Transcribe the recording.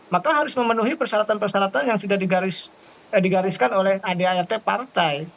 maka harus memenuhi persyaratan persyaratan yang sudah digariskan oleh adart partai